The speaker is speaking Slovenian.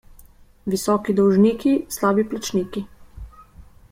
Visoki dolžniki, slabi plačniki.